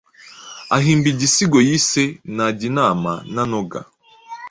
ahimba igisigo yise naginama nanoga